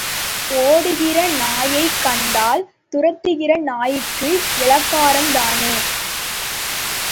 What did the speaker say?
ஓடுகிற நாயைக் கண்டால் துரத்துகிற நாய்க்கு இளக்காரம் தானே?